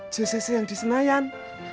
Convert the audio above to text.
jcc yang di senayan